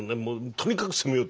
とにかく攻めよう。